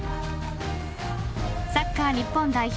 サッカー日本代表